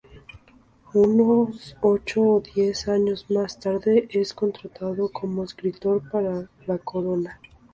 Unos ocho o diez años más tarde es contratado como escritor para la corona.